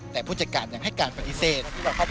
แต่ผู้จัดการยังให้การปฏิเสธ